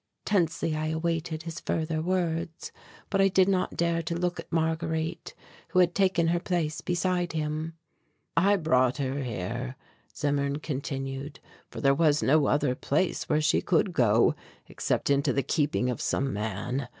Tensely I awaited his further words, but I did not dare to look at Marguerite, who had taken her place beside him. "I brought her here," Zimmern continued, "for there was no other place where she could go except into the keeping of some man.